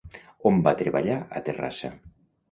On va treballar a Terrassa?